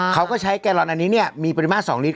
เขาก็ใช้แกลลอนอันนี้เนี่ยมีปริมาณ๒ลิตร